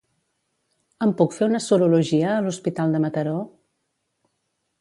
Em puc fer una serologia a l'hospital de Mataró?